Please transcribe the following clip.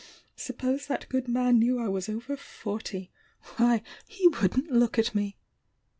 Suppose that good man knew I was over forty? Why, he wouldn't look at me!"